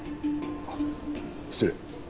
あっ失礼。